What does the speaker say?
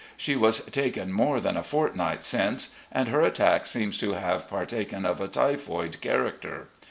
She was taken more than a fortnight since, .,. and her attack seems to have partaken of a typhoid character.